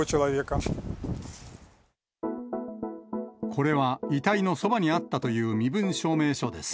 これは遺体のそばにあったという身分証明書です。